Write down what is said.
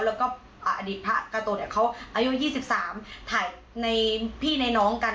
แล้วก็อดิษฐ์พระกาโตเขาอายุ๒๓ถ่ายพี่ในน้องกัน